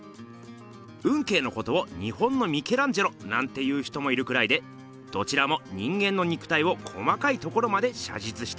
運慶のことを「日本のミケランジェロ」なんて言う人もいるくらいでどちらも人間の肉体を細かいところまで写実しています。